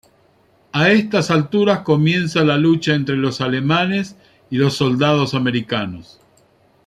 A estas alturas, comienza la lucha entre los alemanes y los soldados americanos.